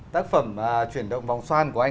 tác phẩm chuyển động vòng xoan của anh